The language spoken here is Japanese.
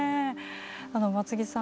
松木さん